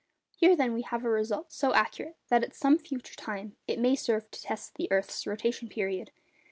Here, then, we have a result so accurate, that at some future time it may serve to test the earth's rotation period.